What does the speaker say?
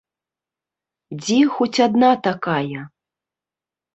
Дзе хоць адна такая?